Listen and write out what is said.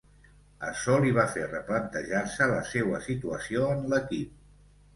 Açò li va fer replantejar-se la seua situació en l'equip.